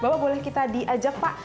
bapak boleh kita diajak pak